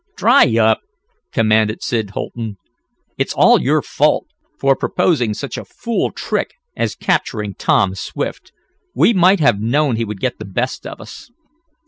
"Dry up!" commanded Sid Holton. "It's all your fault, for proposing such a fool trick as capturing Tom Swift. We might have known he would get the best of us."